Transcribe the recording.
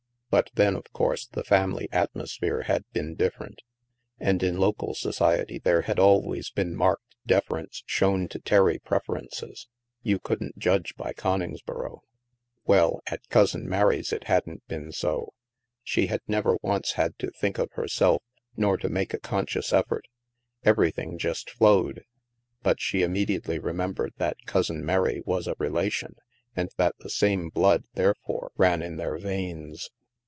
But then, of course, the family atmosphere had been different. And in local society there had always been marked deference shown to Terry preferences. You couldn't judge by Coningsboro. Well, at Cousin Mary's it hadn't been so. She had never once had to think of herself, nor to make a conscious effort. Everything just flowed. But she immediately remen^bered that Cousin Mary was a relation, and that the same blood, therefore, ran in their veins.